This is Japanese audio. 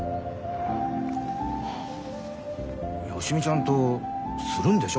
芳美ちゃんとするんでしょ？